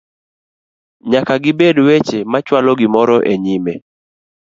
nyaka gibed weche machwalo gimoro e nyime